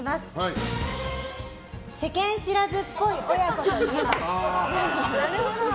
世間知らずっぽい親子といえば？